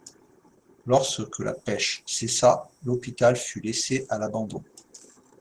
Lorsque la pêche cessa, l'hôpital fut laissé à l’abandon.